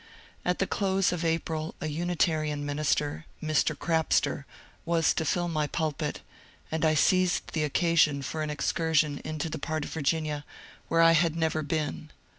At the close of April a Unitarian minister, Mr. Crapster, was to fill my pulpit, and I seized the occasion for an excursion into the part of Virginia where I had never SERMON IN CHARLOTTESVILLE 193 been.